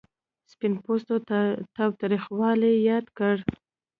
سپین پوستو تاوتریخوالی یاد کړ.